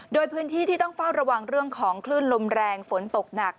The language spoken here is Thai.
โดยพื้นที่ที่ต้องเฝ้าระวังเรื่องของคลื่นลมแรงฝนตกหนัก